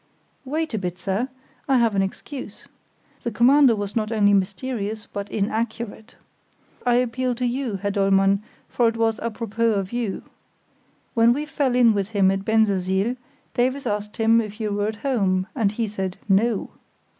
"Wait a bit, sir; I have an excuse. The Commander was not only mysterious but inaccurate. I appeal to you, Herr Dollmann, for it was à propos of you. When we fell in with him at Bensersiel, Davies asked him if you were at home, and he said 'No.